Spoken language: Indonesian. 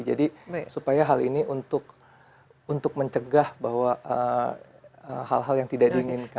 jadi supaya hal ini untuk mencegah bahwa hal hal yang tidak diinginkan